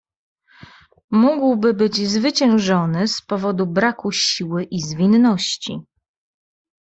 "Mógłby być zwyciężony z powodu braku siły i zwinności."